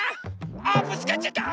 あぶつかっちゃった！